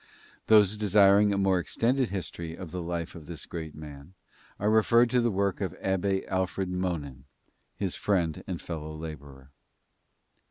Those desiring a more extended history of the life of this great man are referred to the work of the Abbe Alfred Monnin, his friend and fellow laborer.